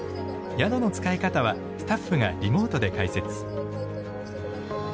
宿の使い方はスタッフがリモートで解説。